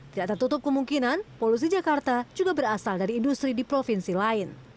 tidak tertutup kemungkinan polusi jakarta juga berasal dari industri di provinsi lain